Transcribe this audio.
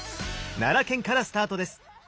奈良県からスタートです。